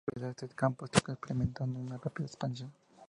En la actualidad, este campo está experimentando una rápida expansión.